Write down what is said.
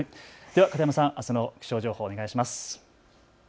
片山さん、あすの気象情報お願いします。